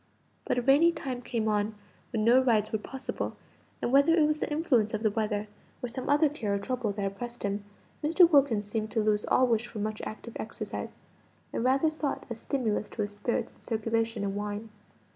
But a rainy time came on, when no rides were possible; and whether it was the influence of the weather, or some other care or trouble that oppressed him, Mr. Wilkins seemed to lose all wish for much active exercise, and rather sought a stimulus to his spirits and circulation in wine.